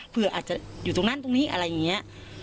เผื่ออาจจะอยู่ตรงนั้นตรงนี้อะไรอย่างนี้